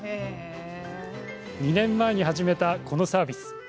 ２年前に始めた、このサービス。